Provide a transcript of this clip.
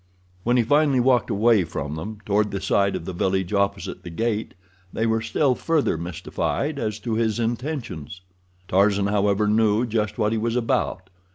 When he finally walked away from them toward the side of the village opposite the gate, they were still further mystified as to his intentions. Tarzan, however, knew just what he was about.